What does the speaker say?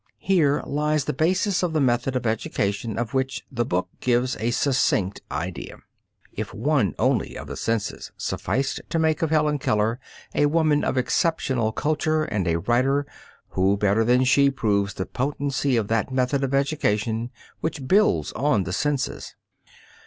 Here lies the basis of the method of education of which the book gives a succinct idea. If one only of the senses sufficed to make of Helen Keller a woman of exceptional culture and a writer, who better than she proves the potency of that method of education which builds on the senses?